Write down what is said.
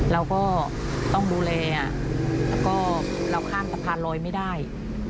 เราก็ต้องดูแลแล้วก็เราข้ามสะพานลอยไม่ได้